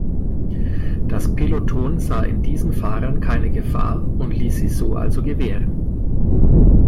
Das Peloton sah in diesen Fahrern keine Gefahr und ließ sie so also gewähren.